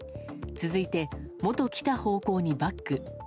続いて、元来た方向にバック。